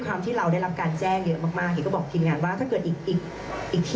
เขาจะรับเคสนี้ไปเนี่ย